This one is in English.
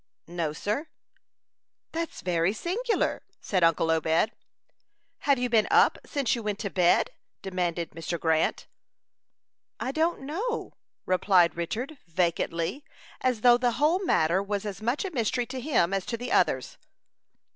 "No, sir." "That's very singular," said uncle Obed. "Have you been up since you went to bed?" demanded Mr. Grant. "I don't know," replied Richard, vacantly, as though the whole matter was as much a mystery to him as to the others.